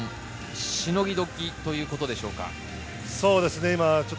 今、日本、しのぎ時ということでしょうか？